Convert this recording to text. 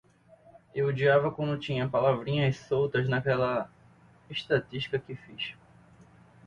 Eu odiava quando tinha palavrinhas soltas naquela estatística que fiz.